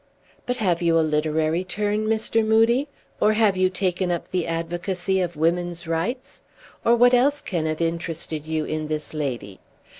But have you a literary turn, Mr. Moodie? or have you taken up the advocacy of women's rights? or what else can have interested you in this lady?